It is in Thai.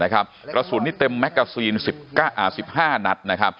กระสุนนี่เต็มแมกกาซีน๑๕นัด